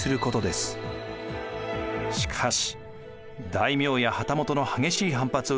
しかし大名や旗本の激しい反発を受け上知令は撤回。